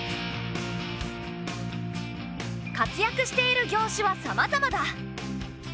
活躍している業種はさまざまだ。